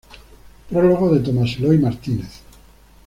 Prólogo de Tomás Eloy Martínez.